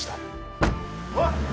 おい！